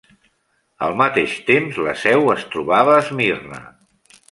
Al mateix temps, la seu es trobava a Esmirna.